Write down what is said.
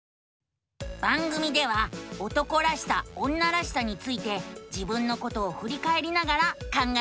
番組では「男らしさ女らしさ」について自分のことをふりかえりながら考えているのさ。